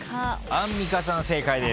アンミカさん正解です。